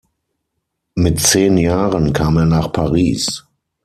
Mit zehn Jahren kam er nach Paris.